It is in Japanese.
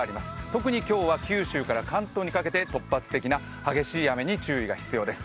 特に今日は九州から関東にかけて突発的な激しい雨に注意が必要です。